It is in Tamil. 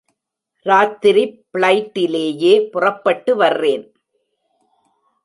ராத்திரி ப்ளைட்டிலேயே புறப்பட்டு வர்றேன்.